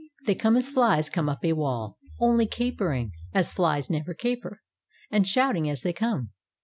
They come as flies come up a wall, only capering as flies never caper, — and shouting as they come.